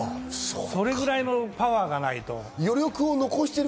そのくらいのパワーがないと。